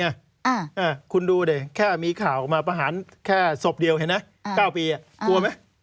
น่ะคุณดูเลยแค่มีข่าวมาประหารแค่สบเดียวเห็นไหม